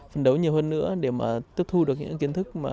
phấn đấu nhiều hơn nữa để mà tiếp thu được những kiến thức